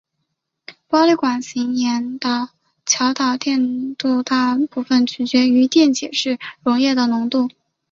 玻璃管型盐桥导电度大部分取决于电解质溶液的浓度。